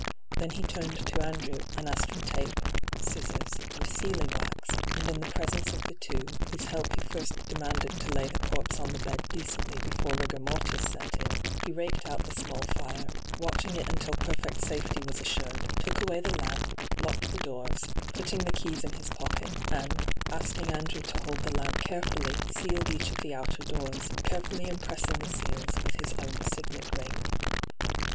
Then he turned to Andrew, and asked for tape, scissors, and sealing wax, and in the presence of the two, whose help he first demanded to lay the corpse on the bed decently before rigor mortis set in, he raked out the small fire, watching it until perfect safety was assuiwd, took away the lamp, locked the doors, putting the keys in his pocket, and, asking Andrew to hold the lamp carefully, sealed each of the outer doors, carefully impressing the seals with his own signet ring.